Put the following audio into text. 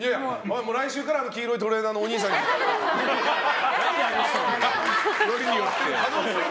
来週からあの黄色いトレーナーのよりによって？